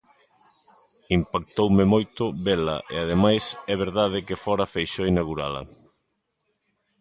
Impactoume moito vela e ademais é verdade que fora Feixóo inaugurala.